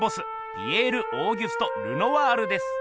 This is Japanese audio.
ピエール＝オーギュスト・ルノワールです。